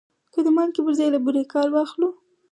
که د مالګې پر ځای له بورې کار واخلو؟